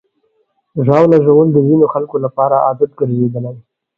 ژاوله ژوول د ځینو خلکو لپاره عادت ګرځېدلی.